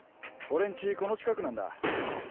俺ん家この近くなんだ。